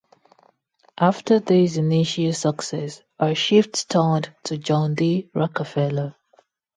After this initial success, her shift turned to John D. Rockefeller.